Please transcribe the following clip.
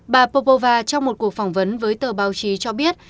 bà popova trong một cuộc phỏng vấn với tờ báo chí cho biết